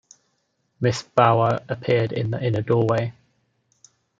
Mrs. Bower appeared in the inner doorway.